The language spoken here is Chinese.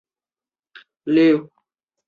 马尔库。